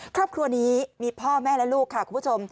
ครอบครัวนี้มีพ่อแม่และลูกค่ะคุณผู้ชม